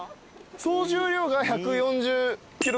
総重量が１４０ｋｇぐらい？